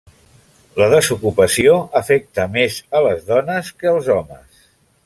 La desocupació afecta més a les dones que als homes.